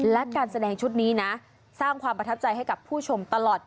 และการแสดงชุดนี้นะสร้างความประทับใจให้กับผู้ชมตลอด